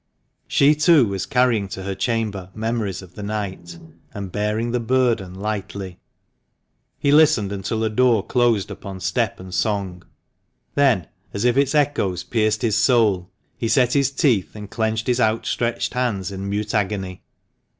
She, too, was carrying to her chamber memories of the night, and bearing the burden lightly. He listened until a door closed upon step and song. Then, as if its echoes pierced his soul he set his teeth and clenched his outstretched hands in mute agony.